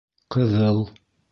Ҡыҙыл